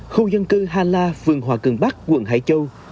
khu dân cư ha la phường hòa cường bắc quận hải châu